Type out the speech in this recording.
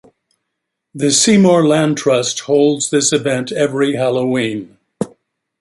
The Seymour Land Trust holds this event every Halloween.